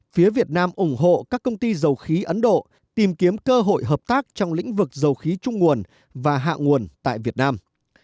phía việt nam ủng hộ các công ty dầu khí ấn độ tìm kiếm cơ hội hợp tác trong lĩnh vực dầu khí trung nguồn và hạ nguồn tại việt nam